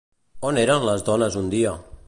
On eren les dones un dia?